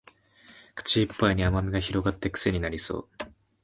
口いっぱいに甘味が広がってクセになりそう